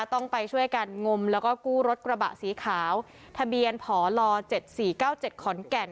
ต้องไปช่วยกันงมแล้วก็กู้รถกระบะสีขาวทะเบียนผล๗๔๙๗ขอนแก่น